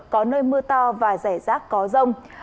có nơi mưa to và rẻ rác có rông